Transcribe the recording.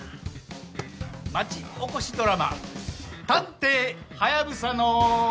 町おこしドラマ『探偵ハヤブサの』。